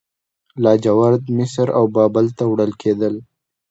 لاجورد مصر او بابل ته وړل کیدل